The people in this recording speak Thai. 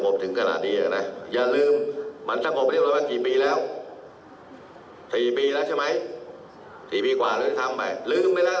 ๔ปีกว่าเราจะทำไปลืมไม่แล้วน่ะ